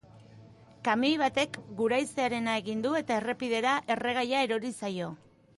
Kamioi batek guraizearena egin du eta errepidera erregaia erori zaio.